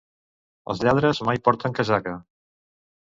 Ells lladres mai porten casaca.